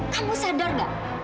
kamu sadar gak